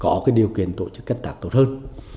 có cái điều kiện tổ chức cắt tạp tốt hơn